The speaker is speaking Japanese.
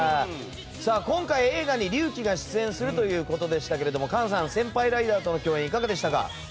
今回、映画に龍騎が出演するということでしたが簡さん、先輩ライダーとの共演はいかがでしたか？